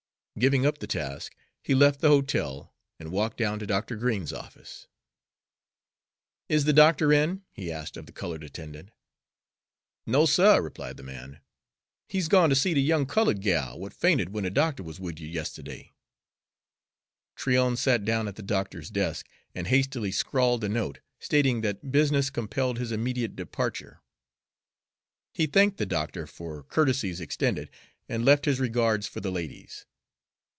Giving up the task, he left the hotel and walked down to Dr. Green's office. "Is the doctor in?" he asked of the colored attendant. "No, suh," replied the man; "he's gone ter see de young cullud gal w'at fainted w'en de doctah was wid you yistiddy." Tryon sat down at the doctor's desk and hastily scrawled a note, stating that business compelled his immediate departure. He thanked the doctor for courtesies extended, and left his regards for the ladies.